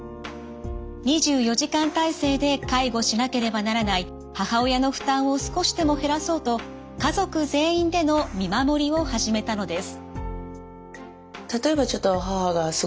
２４時間体制で介護しなければならない母親の負担を少しでも減らそうと家族全員での見守りを始めたのです。